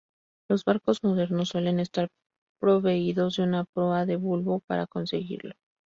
Los barcos modernos suelen estar proveídos de una proa de bulbo para conseguirlo.